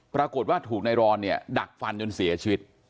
ปรากฏว่าถูกนายรอนเนี่ยดักฟันจนเสียชีวิต